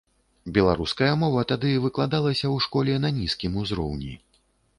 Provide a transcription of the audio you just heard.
Беларуская мова тады выкладалася ў школе на нізкім узроўні.